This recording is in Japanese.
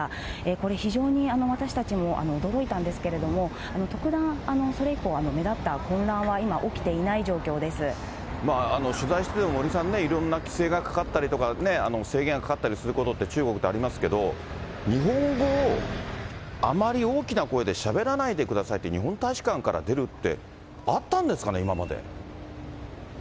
これ、非常に私たちも驚いたんですけれども、特段、それ以降、目立った混乱は今、取材してて、森さんね、いろんな規制がかかったりとか、制限がかかったりすることって中国はありますけど、日本語をあまり大きな声でしゃべらないでくださいって、日本大使館から出るって、あったんですかね、今まで。